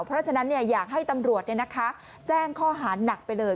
เพราะฉะนั้นอยากให้ตำรวจแจ้งข้อหาหนักไปเลย